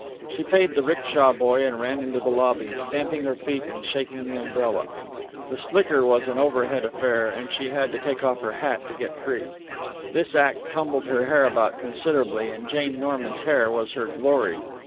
She paid the ricksha boy and ran into the lobby, stamping her feet and shaking the umbrella. The slicker was an overhead affair, and she had to take off her hat to get free. This act tumbled her hair about considerably, and Jane Norman's hair was her glory.